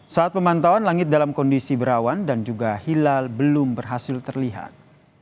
saat pemantauan langit dalam kondisi berawan dan juga hilal belum berhasil terlihat